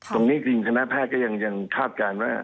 ตรงนี้จริงคณะพ่าก็ยังลองทับการว่า